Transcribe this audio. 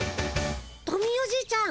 トミーおじいちゃん